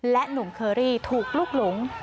หนุ่มเคอรี่ถูกลุกหลง